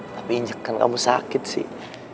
tapi injekan kamu sakit sih